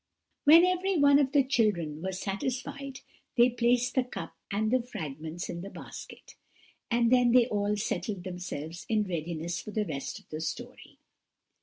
When every one of the children were satisfied, they placed the cup and the fragments in the basket, and then they all settled themselves in readiness for the rest of the story.